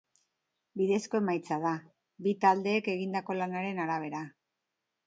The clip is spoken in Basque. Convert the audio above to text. Bidezko emaitza da, bi taldeek egindako lanaren arabera.